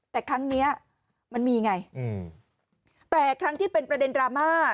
แต่ครั้งเนี้ยมันมีไงอืมแต่ครั้งที่เป็นประเด็นดราม่า